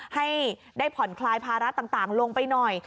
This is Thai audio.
ให้ได้ผ่อนคลายภาระต่างลงไปหน่อย